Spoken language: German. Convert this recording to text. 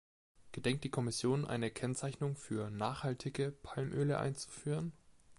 Gedenkt die Kommission eine Kennzeichnung für "nachhaltige" Palmöle einzuführen?